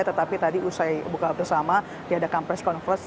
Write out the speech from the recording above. tetapi tadi usai buka bersama diadakan press conference